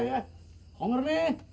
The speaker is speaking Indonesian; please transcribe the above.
gak ngeri nih